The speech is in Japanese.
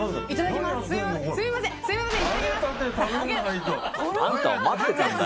いただきます。